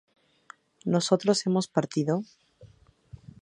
¿nosotros hemos partido?